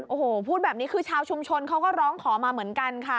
โอ้โหพูดแบบนี้คือชาวชุมชนเขาก็ร้องขอมาเหมือนกันค่ะ